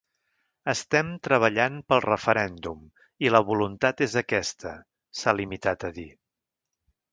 “Estem treballant pel referèndum i la voluntat és aquesta”, s’ha limitat a dir.